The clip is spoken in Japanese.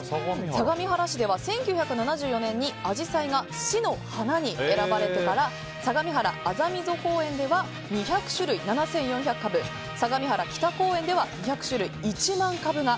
相模原市では１９７４年にアジサイが市の花に選ばれてから相模原麻溝公園では２００種類、７４００株相模原北公園では２００種類１万株が。